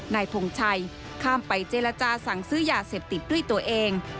นายทงชัยข้ามไปเจรจาสั่งซื้อยาเสพติดด้วยตัวเอง